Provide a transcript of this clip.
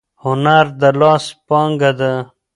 هنر د لاس پانګه ده.